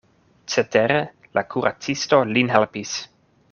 Cetere la kuracisto lin helpis.